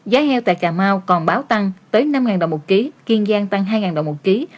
giá heo tại cà mau còn báo tăng tới năm đồng một ký kiên giang tăng hai đồng một ký